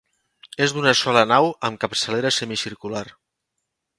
És d'una sola nau amb capçalera semicircular.